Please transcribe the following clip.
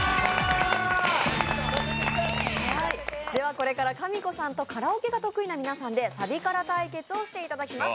これからかみこさんとカラオケが得意な皆さんでサビカラ対決をしていただきます。